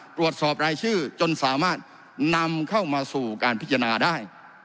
ตรวจสอบรายชื่อจนสามารถนำเข้ามาสู่การพิจารณาได้